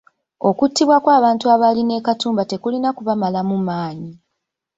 Okuttibwa kw’abantu abaali ne Katumba tekulina kubamalamu maanyi.